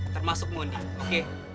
termasuk mondi oke